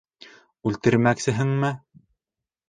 Үлтермәксеһеңме?